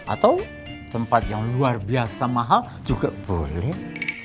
atau tempat yang luar biasa mahal juga boleh